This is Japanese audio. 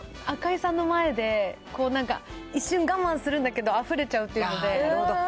赤井さんの前で、なんか一瞬我慢するんだけど、あふれちゃうっていうので。